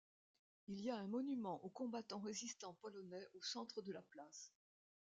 Il y a un monument aux combattants résistants polonais au centre de la place.